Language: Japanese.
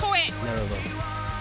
「なるほど」